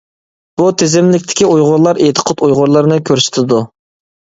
بۇ تىزىملىكتىكى ئۇيغۇرلار ئىدىقۇت ئۇيغۇرلىرىنى كۆرسىتىدۇ.